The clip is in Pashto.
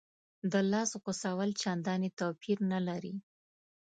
د لاس غوڅول چندانې توپیر نه لري.